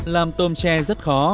làm tôm tre rất khó